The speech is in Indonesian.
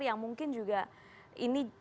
yang mungkin juga ini